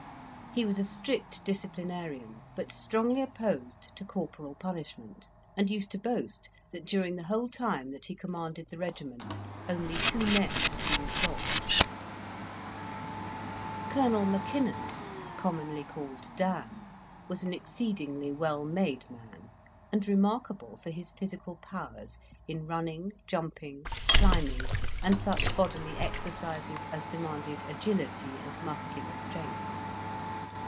He was a strict disciplinarian, but strongly opposed to corporal punishment, and used to boast that during the whole time that he commanded the regiment only two men had been flogged. Colonel Mackinnon, commonly called "Dan," was an exceedingly well made man, and remarkable for his physical powers in running, jumping, climbing, and such bodily exercises as demanded agility and muscular strength.